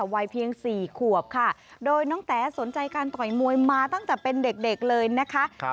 วัยเพียง๔ขวบค่ะโดยน้องแต๋สนใจการต่อยมวยมาตั้งแต่เป็นเด็กเลยนะคะ